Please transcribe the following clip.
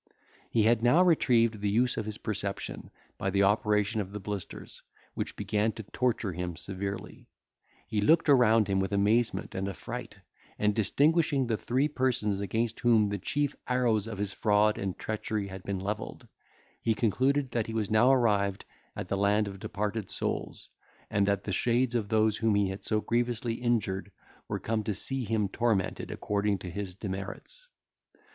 He had now retrieved the use of his perception by the operation of the blisters, which began to torture him severely; he looked around him with amazement and affright, and distinguishing the three persons against whom the chief arrows of his fraud and treachery had been levelled, he concluded that he was now arrived at the land of departed souls, and that the shades of those whom he had so grievously injured were come to see him tormented according to his demerits.